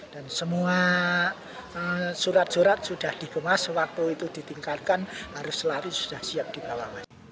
dan semua surat surat sudah digemas waktu itu ditinggalkan harus selalu sudah siap dibawa